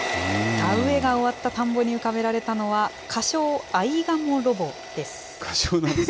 田植えが終わった田んぼに浮かべられたのは、仮称、アイガモロボです。